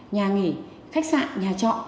nhà nghỉ khách sạn nhà trọ